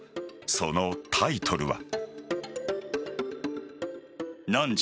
そのタイトルは。